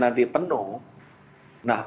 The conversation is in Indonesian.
nanti penuh nah